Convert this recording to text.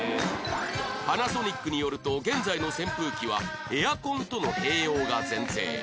パナソニックによると現在の扇風機はエアコンとの併用が前提